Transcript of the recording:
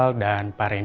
lihat tadi nih apa jubing